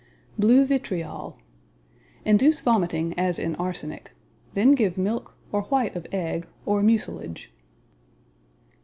Blue vitriol Induce vomiting as in arsenic. Then give milk, or white of egg, or mucilage.